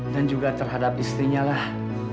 dan juga terhadap istrinya lah